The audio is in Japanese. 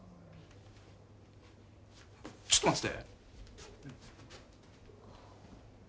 ちょっと待ってて。